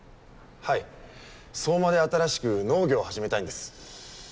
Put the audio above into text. はい相馬で新しく農業を始めたいんです。